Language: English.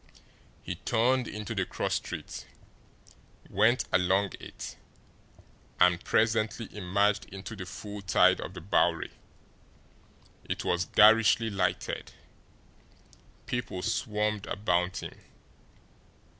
He turned into the cross street, went along it and presently emerged into the full tide of the Bowery. It was garishly lighted; people swarmed about him.